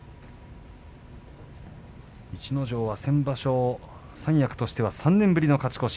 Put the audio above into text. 逸ノ城は先場所三役としては３年ぶりの勝ち越し。